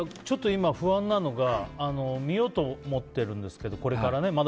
ちょっと今、不安なのが見ようと思ってるんですけどこれからね。